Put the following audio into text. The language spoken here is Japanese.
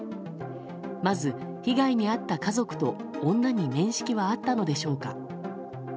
まず、被害に遭った家族と女に面識はあったのでしょうか。